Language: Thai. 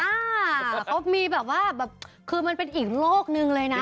อ่าเขามีแบบว่าแบบคือมันเป็นอีกโลกหนึ่งเลยนะ